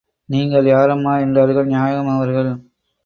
நீங்கள் யாரம்மா என்றார்கள் நாயகம் அவர்கள்.